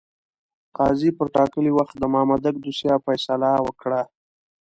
قاضي پر ټاکلي وخت د مامدک دوسیه فیصله کړه.